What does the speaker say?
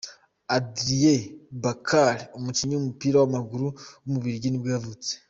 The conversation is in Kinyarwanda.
Adrian Bakalli, umukinnyi w’umupira w’amaguru w’umubiligi nibwo yavutse.